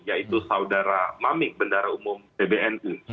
yaitu saudara mamik bendara umum pbnu